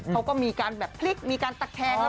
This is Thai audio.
เขาก็มีการปลิ๊กมีการตักแทง